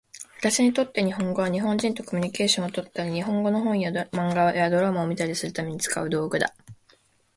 私にとって日本語は、日本人とコミュニケーションをとったり、日本語の本や漫画やドラマを見たりするために使う道具だ。